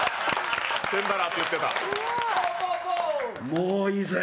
もういいぜ。